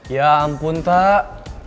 ya ampun tak